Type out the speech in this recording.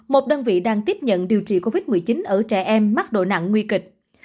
một đơn vị đang tiếp nhận điều trị covid một mươi chín ở trẻ em mắc độ nặng nguy kịch